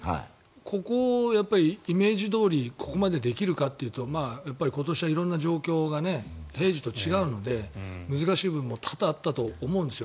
ここをイメージどおりにここまでできるかっていうとやっぱり今年は色んな状況がね平時と違うので難しい部分も多々あったと思うんですよ。